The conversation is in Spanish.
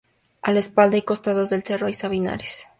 A la espalda y costados del cerro hay sabinares.